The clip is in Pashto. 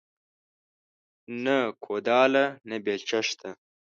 نه کوداله نه بيلچه شته